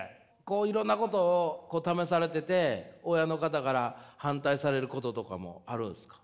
いろんなことを試されてて親の方から反対されることとかもあるんですか？